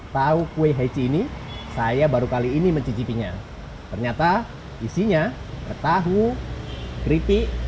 tahu kuah heci ini saya baru kali ini mencicipinya ternyata isinya tahu keripik